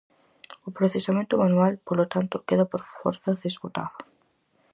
O procesamento manual, polo tanto, queda por forza desbotado.